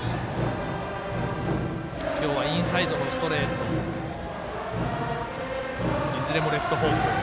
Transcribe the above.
今日はインサイドのストレートいずれもレフト方向へ。